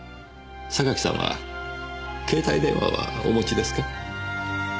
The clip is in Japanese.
榊さんは携帯電話はお持ちですか？